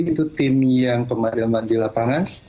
itu tim yang pemadaman di lapangan